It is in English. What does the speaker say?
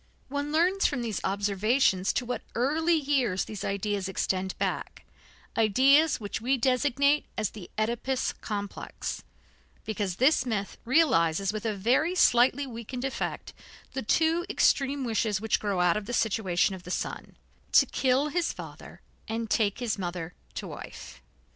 One learns from these observations to what early years these ideas extend back ideas which we designate as the Oedipus complex, because this myth realizes with a very slightly weakened effect the two extreme wishes which grow out of the situation of the son to kill his father and take his mother to wife.